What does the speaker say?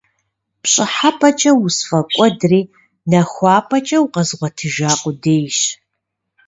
ПщӀыхьэпӀэкӀэ усфӀэкӀуэдри, нахуапӀэкӀэ укъэзгъуэтыжа къудейщ…